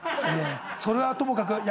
それはともかく。